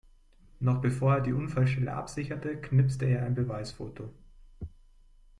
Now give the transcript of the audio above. Noch bevor er die Unfallstelle absicherte, knipste er ein Beweisfoto.